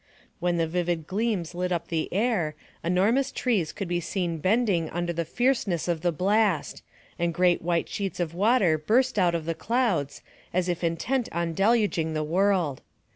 When the vivid gleams lit up the air, enormous trees could be seen bending under the fierceness of the blast, and great white sheets of water burst out of the clouds, as if intent on deluging the world.